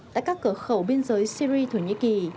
tại các cửa khẩu biên giới syri thổ nhĩ kỳ